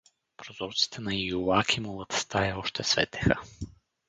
Прозорците на Иоакимовата стая още светеха.